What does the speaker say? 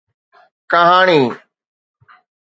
ڪهاڻي